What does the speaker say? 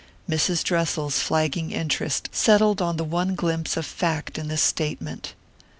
Mrs. Dressel's flagging interest settled on the one glimpse of fact in this statement.